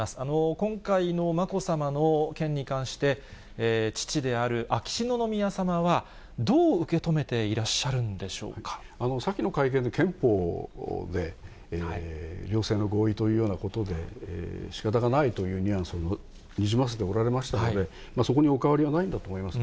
今回のまこさまの件に関して、父である秋篠宮さまは、どう受け先の会見で、憲法で両性の合意というようなことで、しかたがないというニュアンスをにじませておられましたので、そこにお変わりはないんだと思います。